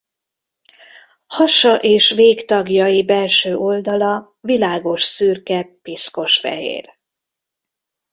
Hasa és végtagjai belső oldala világosszürke-piszkosfehér.